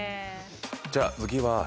じゃあ次は。